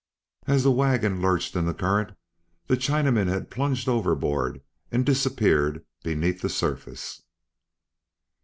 ] As the wagon lurched in the current, the Chinaman had plunged overboard and disappeared beneath the surface.